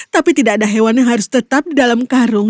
tapi tidak ada hewan yang harus tetap di dalam karung